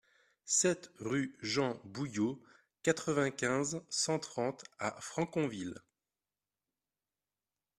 sept rue Jean Bouillot, quatre-vingt-quinze, cent trente à Franconville